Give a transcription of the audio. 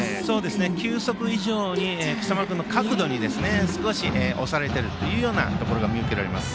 球速以上に今朝丸君の角度に少し押されているところが見受けられます。